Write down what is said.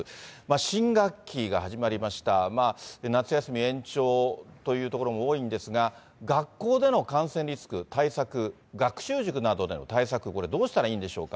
新学期が始まりました、夏休み延長という所も多いんですが、学校での感染リスク、対策、学習塾などでの対策、これどうしたらいいんでしょうか。